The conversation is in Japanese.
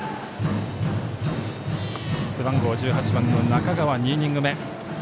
背番号１８番の中川２イニング目。